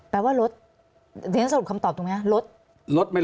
แล้วว่ารสลุกตัวคำตอบถูกไหมครับลด